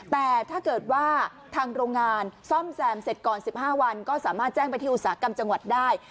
แต่ถ้าเกิดว่าทางโรงงานซ่อมแซมเสร็จก่อน๑๕วันก็สามารถแจ้งไปที่อุตสาหกรรมจังหวัดได้